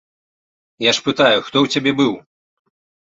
Я ж пытаю, хто ў цябе быў?